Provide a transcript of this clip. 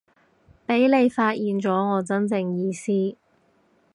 畀你發現咗我真正意思